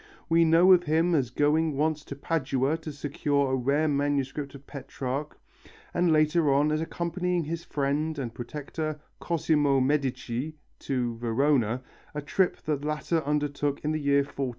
We know of him as going once to Padua to secure a rare manuscript of Petrarch, and later on as accompanying his friend and protector, Cosimo Medici, to Verona, a trip the latter undertook in the year 1420.